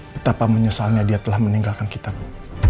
betapa menyesalnya dia telah meninggalkan kita bu